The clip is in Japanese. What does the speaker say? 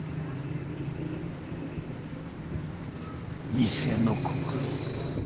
偽の刻印。